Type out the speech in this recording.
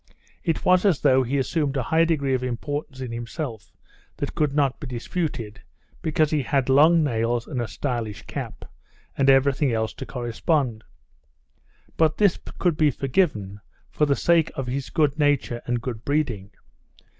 It was as though he assumed a high degree of importance in himself that could not be disputed, because he had long nails and a stylish cap, and everything else to correspond; but this could be forgiven for the sake of his good nature and good breeding.